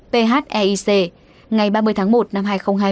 phec ngày ba mươi tháng một năm hai nghìn hai mươi